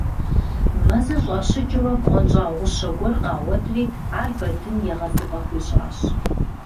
Мэзыр щӀащыкӀыурэ, бгъуэнщӀагъ гъущэ гуэр къагъуэтри ар Бэдын егъэзыпӀэ хуищӀащ.